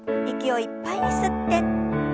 息をいっぱいに吸って。